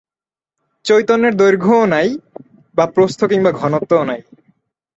চৈতন্যের দৈর্ঘ্যও নাই বা প্রস্থ কিংবা ঘনত্বও নাই।